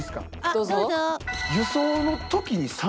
どうぞ。